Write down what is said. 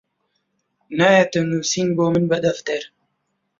نایەتە نووسین بۆ من بە دەفتەر